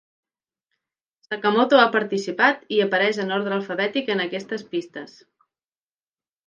Sakamoto ha participat i apareix en ordre alfabètic en aquestes pistes.